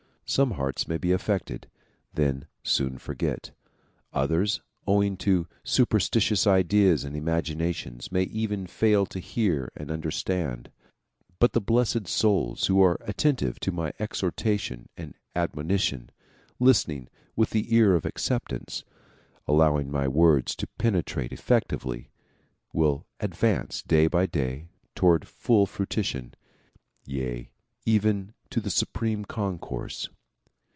Some hearts may be affected, then soon forget; others owing to superstitious ideas and imaginations may even fail to hear and understand, but the blessed souls who are attentive to my exhortation and admonition, listening with the ear of acceptance, allowing my words to penetrate effectively will ad vance day by day toward full fruition, yea even to the Supreme Concourse.